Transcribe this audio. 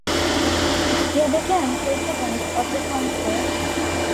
He became president of the council.